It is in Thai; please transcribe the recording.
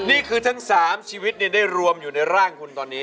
นี่คือทั้ง๓ชีวิตได้รวมอยู่ในร่างคุณตอนนี้